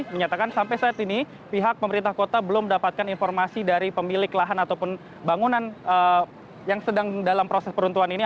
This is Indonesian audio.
menyatakan sampai saat ini pihak pemerintah kota belum mendapatkan informasi dari pemilik lahan ataupun bangunan yang sedang dalam proses peruntuhan ini